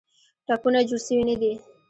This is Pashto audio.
ټپونه جوړ سوي نه دي.